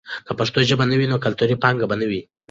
که پښتو ژبه وي، نو کلتوري پانګه به نه مړېږي.